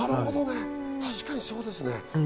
確かにそうですね。